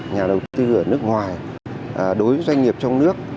nhà đầu tư ở nước ngoài đối với doanh nghiệp trong nước